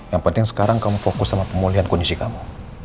yang penting sekarang kamu fokus sama pemulihan kondisi kamu